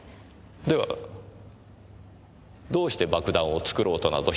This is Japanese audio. ではどうして爆弾を作ろうとなどしたのでしょう？